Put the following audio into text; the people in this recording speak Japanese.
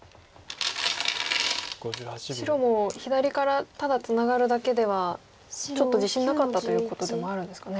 白も左からただツナがるだけではちょっと自信なかったということでもあるんですかね。